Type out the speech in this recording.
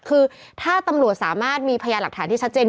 คือถ้าตำรวจสามารถมีพยานหลักฐานที่ชัดเจน